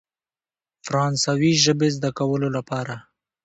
فرانسوي ژبې زده کولو لپاره.